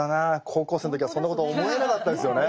高校生の時はそんなこと思えなかったですよね。